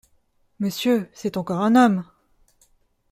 Monsieur, c’est encore un homme…